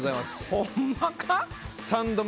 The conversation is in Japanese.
ほんまか？